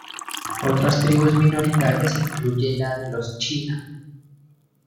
Otras tribus minoritarias incluye la de los China.